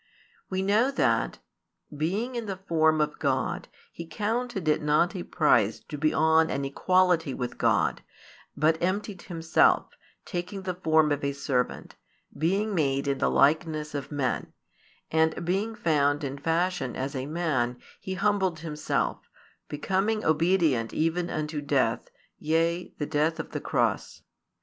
We know that, being in the form of God, He counted it not a prize to be on an equality with God, but emptied Himself, taking the form of a servant, being made in the likeness of men; and being found in fashion as a man, He humbled Himself, becoming obedient even unto death, yea, the death of the cross.